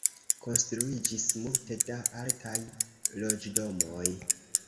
Konstruiĝis multe da altaj loĝdomoj.